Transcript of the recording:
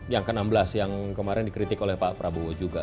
yang ke enam belas yang kemarin dikritik oleh pak prabowo juga